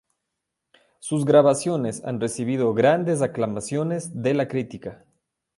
Sus grabaciones han recibido grandes aclamaciones de la crítica.